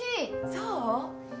そう？